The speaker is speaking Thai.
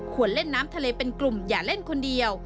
เล่นน้ำทะเลเป็นกลุ่มอย่าเล่นคนเดียว